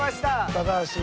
高橋。